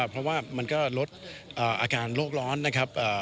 เพราะว่ามันก็ลดอาการโรคร้อนนะครับ